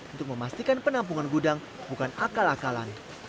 untuk memastikan penampungan gudang bukan akal akalan